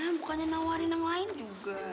bukannya nawarin yang lain juga